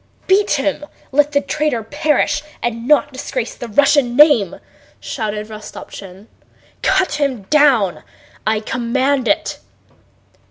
"Beat him!... Let the traitor perish and not disgrace the Russian name!" shouted Rostopchín. "Cut him down. I command it."